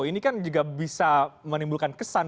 ini kan juga bisa menimbulkan kesan